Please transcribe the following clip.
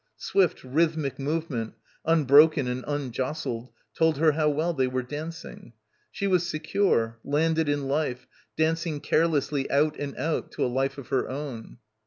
Swift, rhythmic movement, unbroken and unjostled, told her how well they were danc ing. She was secure, landed in life, dancing care lessly out and out to a life of her own.